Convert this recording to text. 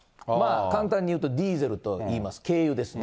簡単に言うと、ディーゼルといいます軽油ですね。